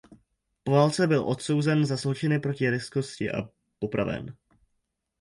Po válce byl odsouzen za zločiny proti lidskosti a popraven.